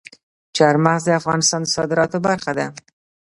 چار مغز د افغانستان د صادراتو برخه ده.